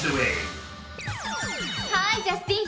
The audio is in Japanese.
ハーイジャスティン！